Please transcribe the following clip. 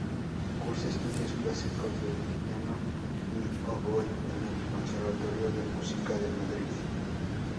Cursa estudios clásicos de piano y oboe en el conservatorio de música de Madrid.